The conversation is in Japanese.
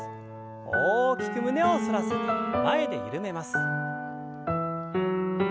大きく胸を反らせて前で緩めます。